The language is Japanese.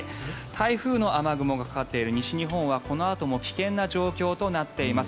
台風の雨雲がかかっている西日本はこのあとも危険な状況となっています。